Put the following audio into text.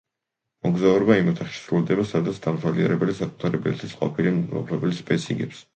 მოგზაურობა იმ ოთახში სრულდება, სადაც დამთვალიერებელი საკუთარი ბილეთის ყოფილი მფლობელის ბედს იგებს.